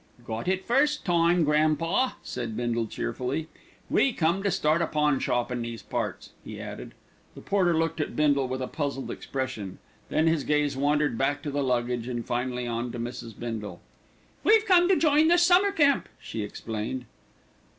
"Got it first time, grandpa," said Bindle cheerfully. "We come to start a pawnshop in these parts," he added. The porter looked at Bindle with a puzzled expression, then his gaze wandered back to the luggage and finally on to Mrs. Bindle. "We've come to join the Summer Camp," she explained.